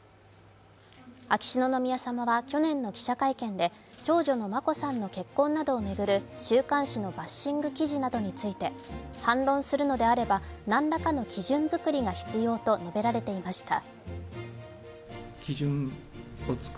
秋篠宮さまは去年の記者会見で長女の眞子さんの結婚などを巡る週刊誌のバッシング記事などについて反論するのであれば、何らかの基準作りが必要と述べられていました。